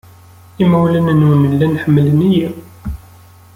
Imawlan-nwen llan ḥemmlen-iyi.